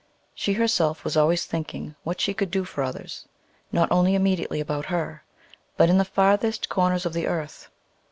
She herself was always thinking what she could do for others, not only immediately about her, but in the farthest corners of the earth.